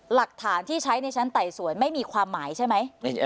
หลักฐานที่ใช้ในชั้นไต่สวนไม่มีความหมายใช่ไหม